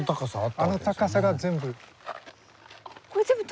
あの高さが全部。